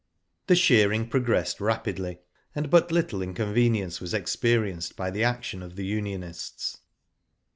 The shearing progressed rapidly, and but littie inconvenience was experienced by the action of the unionists.